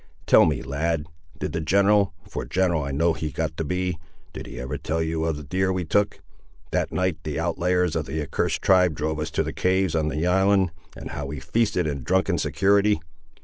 Tell me, lad, did the general, for general I know he got to be, did he ever tell you of the deer we took, that night the outlyers of the accursed tribe drove us to the caves, on the island, and how we feasted and drunk in security?"